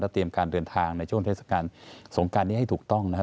เตรียมการเดินทางในช่วงเทศกาลสงการนี้ให้ถูกต้องนะครับ